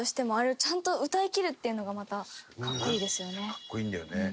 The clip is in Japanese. かっこいいんだよね。